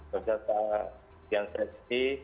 berjata yang krisik